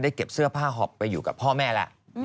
เก็บเสื้อผ้าหอบไปอยู่กับพ่อแม่แล้ว